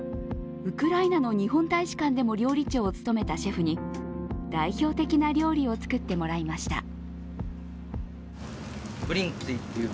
ウクライナの日本大使館でも料理長を務めたシェフに代表的な料理を作ってもらいました。